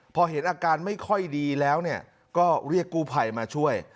พอเห็นอาการไม่ค่อยดีแล้วก็เรียกกู้ภัยมาช่วย